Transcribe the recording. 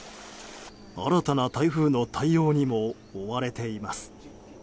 新たな台風の対応にも追われています。